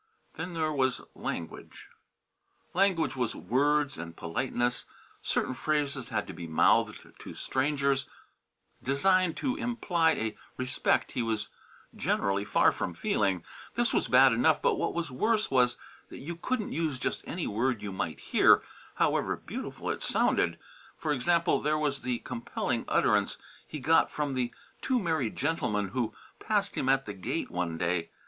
Then there was language. Language was words, and politeness. Certain phrases had to be mouthed to strangers, designed to imply a respect he was generally far from feeling. This was bad enough, but what was worse was that you couldn't use just any word you might hear, however beautiful it sounded. For example, there was the compelling utterance he got from the two merry gentlemen who passed him at the gate one day.